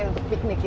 untuk piknik ya